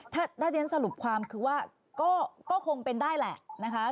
ถ้าเรียนสรุปความคือว่าก็คงเป็นได้แหละนะคะ